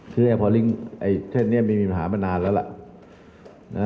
คือแอลพอลิงแท่นเนียมมีปัญหามานานแล้วล่ะ